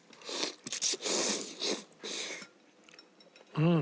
うん。